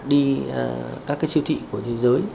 đi các siêu thị của thế giới